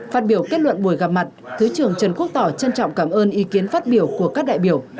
phát biểu kết luận buổi gặp mặt thứ trưởng trần quốc tỏ trân trọng cảm ơn ý kiến phát biểu của các đại biểu